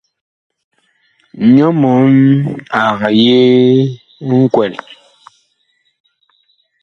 Nyɔ mɔɔn ag yi nkwɛl.